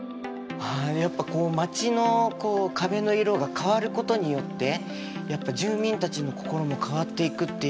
やっぱこう街の壁の色が変わることによってやっぱ住民たちの心も変わっていくっていう。